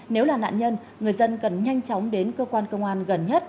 nếu là nạn nhân người dân cần nhanh chóng đến cơ quan công an gần nhất